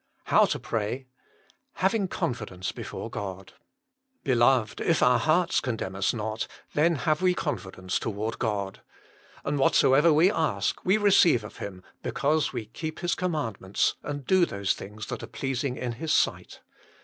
now TO PRAY. falling (Konfi&cnce before (Soli "Beloved, if our hearts condemn us not, then have we con fidence toward God. And whatsoever we ask, we receive of Him, because we keep His commandments, and do those th ings thai are pleasing in His sight."